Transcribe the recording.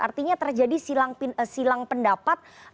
artinya terjadi silang pendapat